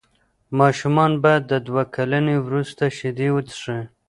ماشومان باید د دوه کلنۍ وروسته شیدې وڅښي.